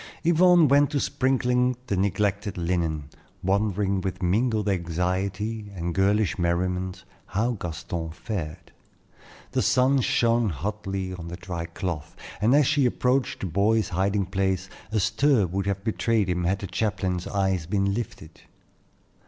Yvonne went to sprinkling the neglected linen, wondering with mingled anxiety and girlish merriment how Gaston fared. The sun shone hotly on the dry cloth, and as she approached the boy's hiding place, a stir would have betrayed him had the chaplain's eyes been lifted.